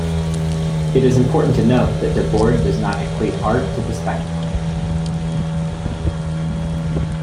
It is important to note that Debord does not equate art to the spectacle.